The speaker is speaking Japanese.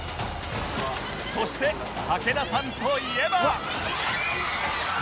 そして武田さんといえば